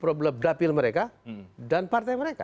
problem dapil mereka dan partai mereka